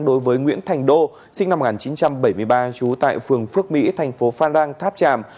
đối với nguyễn thành đô sinh năm một nghìn chín trăm bảy mươi ba trú tại phường phước mỹ thành phố phan rang tháp tràm